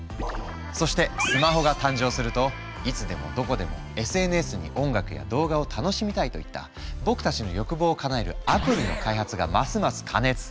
そしてスマホが誕生するといつでもどこでもＳＮＳに音楽や動画を楽しみたいといった僕たちの欲望をかなえるアプリの開発がますます過熱。